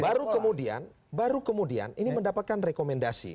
baru kemudian baru kemudian ini mendapatkan rekomendasi